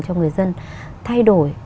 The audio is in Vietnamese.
cho người dân thay đổi